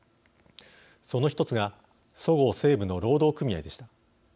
その１つがそごう・西武の労働組合でした。